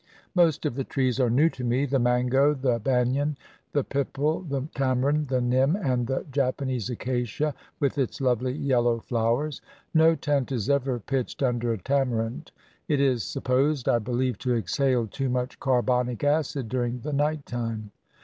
Most of the trees are new to me — the mango, the banian, the pipal, the tamarind, the nim, and the Japanese acacia with its lovely yellow flowers. No tent is ever pitched under a tamarind. It is supposed, I be lieve, to exhale too much carbonic acid during the night time.